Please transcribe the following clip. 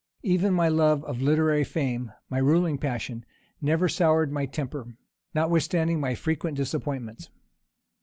Even my love of literary fame, my ruling passion, never soured my temper, notwithstanding my frequent disappointments.